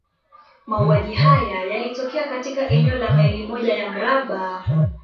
Mauaji haya yalitokea katika eneo la maili moja ya mraba.